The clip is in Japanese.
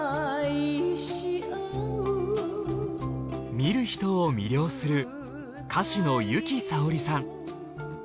見る人を魅了する歌手の由紀さおりさん。